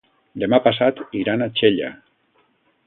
Demà passat iran a Xella.